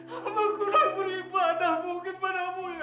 hamba kurang beribadah mungkin padamu ya allah